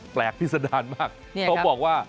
แปลกพิสดารมากเขาบอกว่า